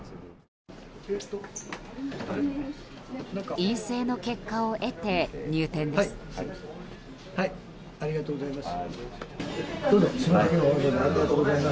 陰性の結果を得て、入店です。